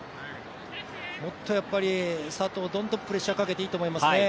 佐藤、どんどんプレッシャーをかけていいと思いますね。